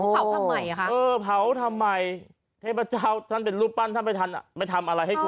เผาทำไมคะเออเผาทำไมเทพเจ้าท่านเป็นรูปปั้นท่านไม่ทันไปทำอะไรให้คุณ